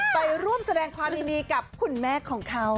ไปร่วมแสดงความยินดีกับคุณแม่ของเขา